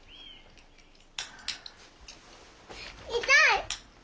痛い！